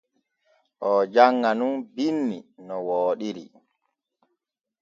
Oo janŋa nun binni no wooɗiri.